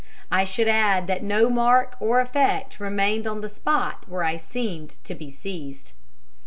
I should add that no mark or effect remained on the spot where I seemed to be seized.